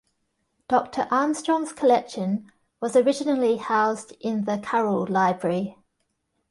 Doctor Armstrong's collection was originally housed in the Carroll Library.